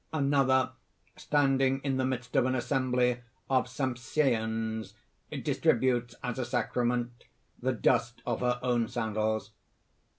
Another, standing in the midst of an assembly of Sampseans distributes, as a sacrament, the dust of her own sandals.